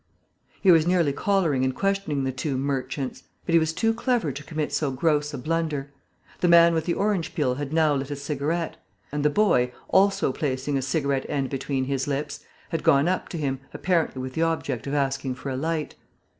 He was nearly collaring and questioning the two "merchants." But he was too clever to commit so gross a blunder. The man with the orange peel had now lit a cigarette; and the boy, also placing a cigarette end between his lips, had gone up to him, apparently with the object of asking for a light.